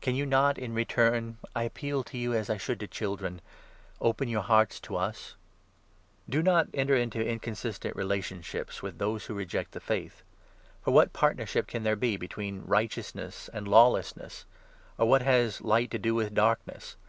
Can you not in return — I appeal to you as I should to children — 13 open your hearts to us ? Do not enter into inconsistent relations with 14 '^gafnat "* those who reject the Faith. For what partnership Heathen in. can there be between righteousness and lawless fiuences. negs ? Qr wjiat j^g light to do with darkness